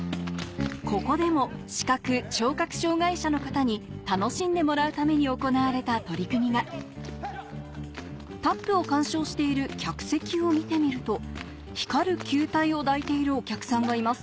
ここでも視覚・聴覚障がい者の方に楽しんでもらうために行われた取り組みがタップを鑑賞している客席を見てみると光る球体を抱いているお客さんがいます